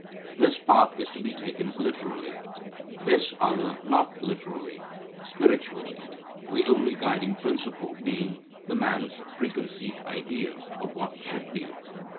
This part is to be taken literally. This other not literally, spiritually, the only guiding principle being the man's preconceived idea of what should be.